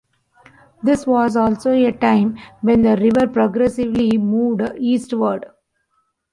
This was also a time when the river progressively moved eastward.